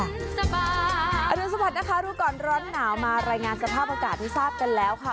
อันนี้สะพัดนะคะดูก่อนร้อนหนาวมารายงานสภาพอากาศที่ทราบกันแล้วค่ะ